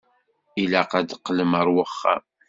Ilaq ad teqqlem ar wexxam.